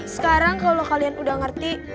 sekarang kalau kalian udah ngerti